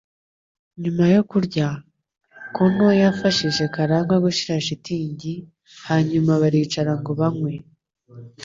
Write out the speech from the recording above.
Nyuma yo kurya, Connor yafashije Karangwa gushyira shitingi, hanyuma baricara ngo banywe.